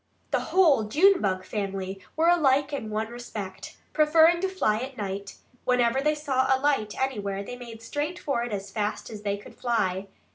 The whole Junebug family were alike in one respect: preferring to fly at night, whenever they saw a light anywhere they made straight for it as fast as they could fly.